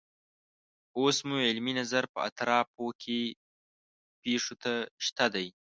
اوس مو علمي نظر په اطرافو کې پیښو ته شته دی.